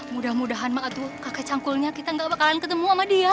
mudah mudahan mbak atuh kakek cangkulnya kita gak bakalan ketemu sama dia ya